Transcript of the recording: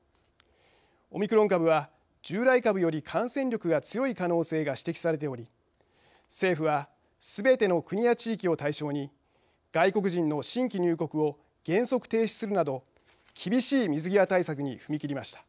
オミクロン株は従来株より感染力が強い可能性が指摘されており政府はすべての国や地域を対象に外国人の新規入国を原則停止するなど厳しい水際対策に踏み切りました。